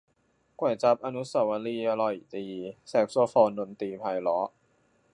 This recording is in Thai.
ก๋วยจั๊บอนุเสาวรีย์อร่อยดี แซกโซโฟนดนตรีไพเราะ